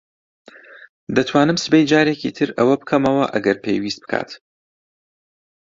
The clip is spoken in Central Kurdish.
دەتوانم سبەی جارێکی تر ئەوە بکەمەوە ئەگەر پێویست بکات.